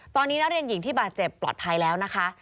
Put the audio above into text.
ตอนนี้นักเรียนหญิงที่บาดเจ็บปลอดภัยแล้วนะคะ